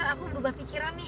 aku berubah pikiran nih